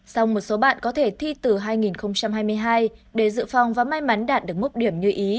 xong một số bạn có thể thi từ hai nghìn hai mươi hai để dự phòng và may mắn đạt được mức điểm như ý